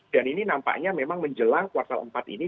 dan ini nampaknya memang menjelang kuartal empat ini